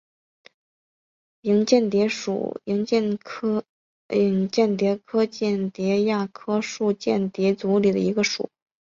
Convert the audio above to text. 莹蚬蝶属是蚬蝶科蚬蝶亚科树蚬蝶族里的一个属。